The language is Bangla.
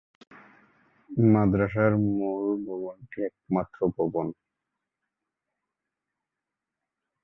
মাদ্রাসার মূল ভবনটি একটি মাত্র ভবন।